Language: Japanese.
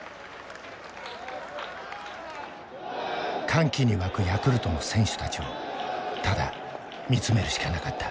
歓喜に沸くヤクルトの選手たちをただ見つめるしかなかった。